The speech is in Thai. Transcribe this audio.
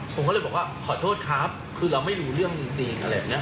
ผมก็เลยบอกว่าขอโทษครับคือเราไม่รู้เรื่องจริงอะไรแบบนี้